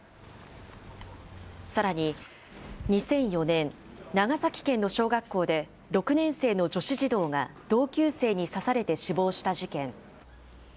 さらに２００４年、長崎県の小学校で、６年生の女子児童が同級生に刺されて死亡した事件。